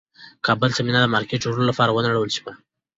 د کابل سینما د مارکېټ جوړولو لپاره ونړول شوه.